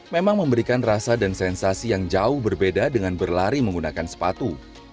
memang memberikan rasa dan sensasi yang jauh berbeda dengan berlari menggunakan sepatu